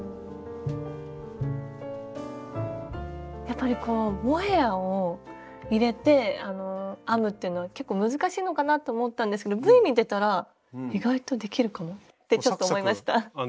やっぱりこうモヘアを入れて編むっていうのは結構難しいのかなと思ったんですけどＶ見てたら意外とできるかも？ってちょっと思いました。